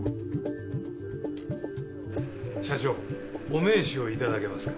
社長お名刺を頂けますか。